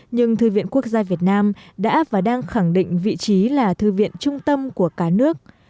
nhưng thư viện quốc gia việt nam đã và đang khẳng định vị trí là thư viện trung tâm của cả nước